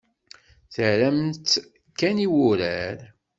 Terram-tt kan i wurar.